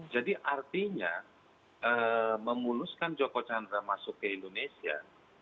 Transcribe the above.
jadi artinya memuluskan joko candra masuk ke indonesia